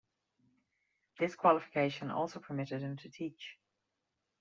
This qualification also permitted him to teach.